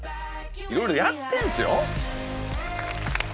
いろいろやってんですよ。